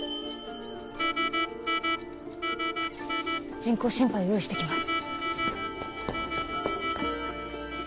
人工心肺を用意してきます